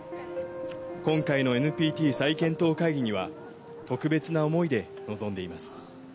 今回のＮＰＴ再検討会議には、特別な思いで臨んでいます。